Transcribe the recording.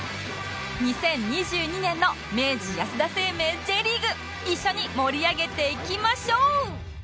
２０２２年の明治安田生命 Ｊ リーグ一緒に盛り上げていきましょう！